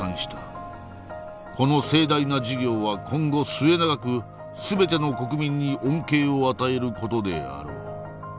この盛大な事業は今後末永く全ての国民に恩恵を与える事であろう。